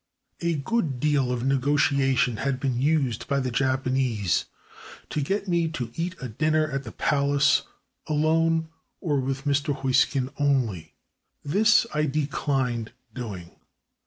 A good deal of negotiation had been used by the Japanese to get me to eat a dinner at the palace, alone, or with Mr. Heusken only. This I decHned doing.